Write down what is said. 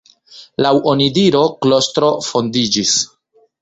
Laŭ onidiro klostro fondiĝis.